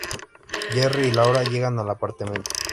Jerry y Laura llegan al apartamento.